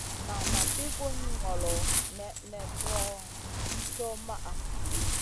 Nan ma pi gun ŋolo nèʼnèʼ kron co maʼa.